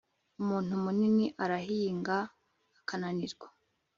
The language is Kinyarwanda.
umuntu munini arahinga akananirwa